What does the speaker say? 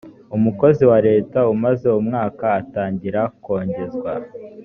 umukozi wa leta umaze umwaka atangira kongezwa.